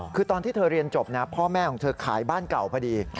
คือตอนที่เธอเรียนจบนะพ่อแม่ของเธอขายบ้านเก่าพอดี